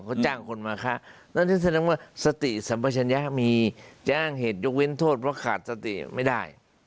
เขาจ้างคนมาฆ่านั่นที่แสดงว่าสติสัมปชัญญะมีแจ้งเหตุยกเว้นโทษเพราะขาดสติไม่ได้